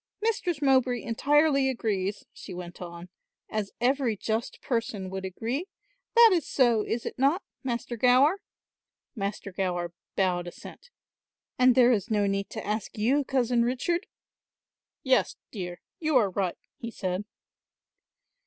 "Mistress Mowbray entirely agrees," she went on, "as every just person would agree. That is so, is it not, Master Gower?" Master Gower bowed assent. "And there is no need to ask you, Cousin Richard." "Yes, dear, you are right," he said.